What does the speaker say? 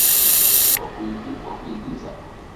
wa kuigiza